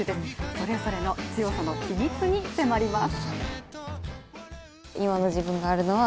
それぞれの強さの秘密に迫ります。